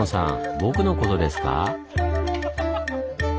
僕のことですか？